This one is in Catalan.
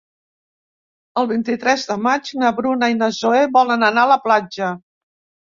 El vint-i-tres de maig na Bruna i na Zoè volen anar a la platja.